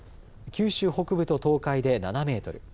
九州北部と東海で７メートル